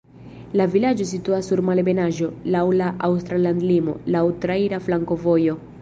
La vilaĝo situas sur malebenaĵo, laŭ la aŭstra landlimo, laŭ traira flankovojo.